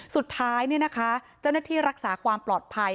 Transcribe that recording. สุดท้ายเจ้าหน้าที่รักษาความปลอดภัย